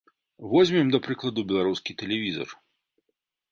Возьмем, да прыкладу, беларускі тэлевізар.